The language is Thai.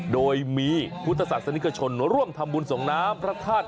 โดยมีพุทธศาสนิกชนร่วมทำบุญส่งน้ำพระธาตุ